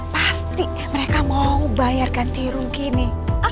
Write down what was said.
pasti mereka mau bayarkan tiru gini